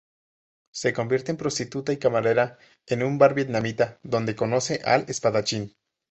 Se convierte en prostituta y camarera en un bar vietnamita, donde conoce al Espadachín.